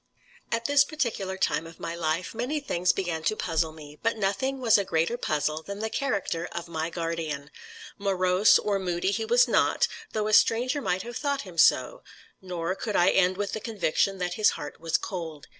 At this particular time of my life, many things began to puzzle me, but nothing was a greater puzzle than the character of my guardian. Morose or moody he was not, though a stranger might have thought him so; nor could I end with the conviction that his heart was cold.